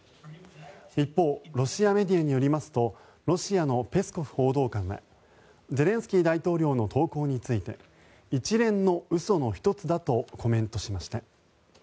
一方、ロシアメディアによりますとロシアのペスコフ報道官はゼレンスキー大統領の投稿について一連の嘘の１つだとコメントしました。